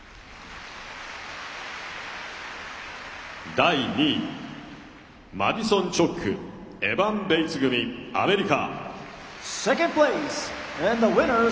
第２位マディソン・チョックエバン・ベイツ組、アメリカ。